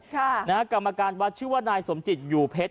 ค่ะนะฮะกรรมการวัดชื่อว่านายสมจิตอยู่เพชร